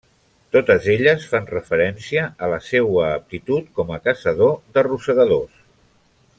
Totes elles fan referència a la seua aptitud com a caçador de rosegadors.